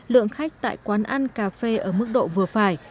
lượng khách tại quán ăn cà phê ở mức độ vừa phải